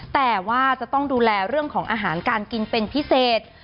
แต่ว่าจะต้องดูแลเรื่องของอาหารการกินเป็นพิเศษ